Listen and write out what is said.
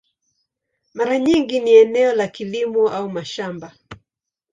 Mara nyingi ni eneo la kilimo au mashamba.